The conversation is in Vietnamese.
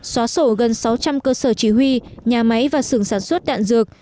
xóa sổ gần sáu trăm linh cơ sở chỉ huy nhà máy và sưởng sản xuất đạn dược